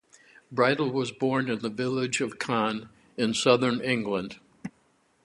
Bridle was born in the village of Cann in southern England.